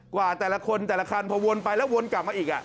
กว่าแต่ละคนแต่ละคันพอวนไปแล้ววนกลับมาอีก